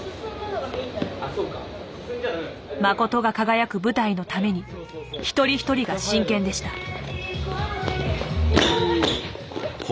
Ｍａｃｏｔｏが輝く舞台のために一人一人が真剣でした。